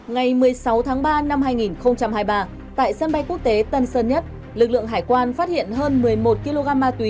ngày một mươi sáu tháng ba năm hai nghìn hai mươi ba tại sân bay quốc tế tân sơn nhất lực lượng hải quan phát hiện hơn một mươi một kg ma túy